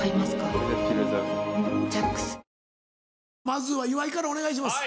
まずは岩井からお願いします。